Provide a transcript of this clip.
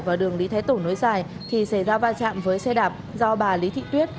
vào đường lý thái tổ nối giải thì xảy ra va chạm với xe đạp do bà lý thị tuyết